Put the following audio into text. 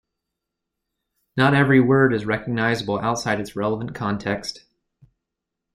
Not every word is recognizable outside its relevant context.